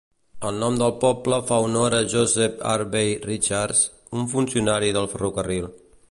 El nom del poble fa honor a Joseph Harvey Richards, un funcionari del ferrocarril.